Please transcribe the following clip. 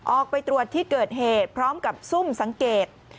ออกไปตรวจที่เกิดเหตุพร้อมกับซุ่มสังเกต